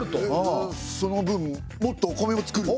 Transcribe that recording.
その分もっとお米を作る？